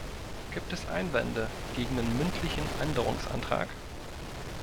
Gibt es Einwände gegen den mündlichen Änderungsantrag?